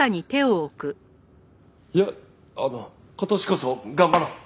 いやあの今年こそ頑張ろう。